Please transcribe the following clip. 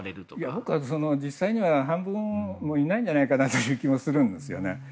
僕は実際には半分もいないんじゃないかなという気もするんですよね。